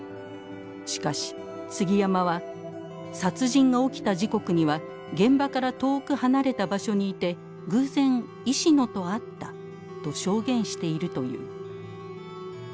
しかし杉山は「殺人が起きた時刻には現場から遠く離れた場所にいて偶然石野と会った」と証言しているという。